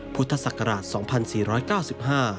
พุทธศักราช๒๔๙๕